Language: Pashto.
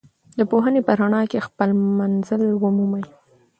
د پوهې په رڼا کې خپل منزل ومومئ.